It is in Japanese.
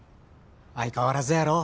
相変わらずやろ？